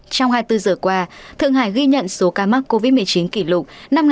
trong hai mươi bốn giờ qua thượng hải ghi nhận số ca mắc covid một mươi chín kỷ lục